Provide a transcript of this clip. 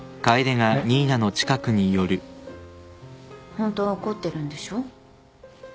ホントは怒ってるんでしょ？